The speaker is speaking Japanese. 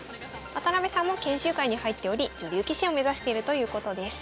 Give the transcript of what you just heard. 渡邉さんも研修会に入っており女流棋士を目指してるということです。